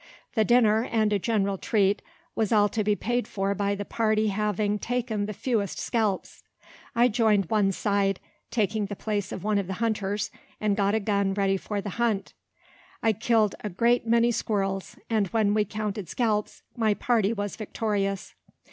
The dinner, and a general treat, was all to be paid for by the party having taken the fewest scalps. I joined one side, taking the place of one of the hunters, and got a gun ready for the hunt. I killed a great many squirrels, and when we counted scalps, my party was victorious.